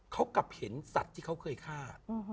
เขากลับเห็นสัตว์ที่เขาเคยฆ่า